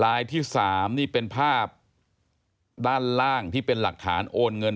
ที่๓นี่เป็นภาพด้านล่างที่เป็นหลักฐานโอนเงิน